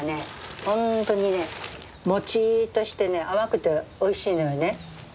本当にねもちっとしてね甘くておいしいのよね。